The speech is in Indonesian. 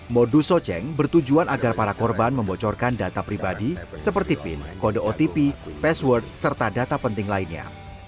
modus soceng bertujuan agar para korban membocorkan data pribadi seperti pin kode otp password serta data penting lainnya